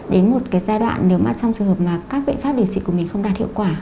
đến một cái giai đoạn nếu mà trong trường hợp mà các biện pháp điều trị của mình không đạt hiệu quả